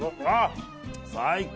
最高！